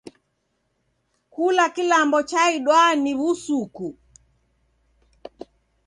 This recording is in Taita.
Kula kilambo chaidwaa ni w'usuku.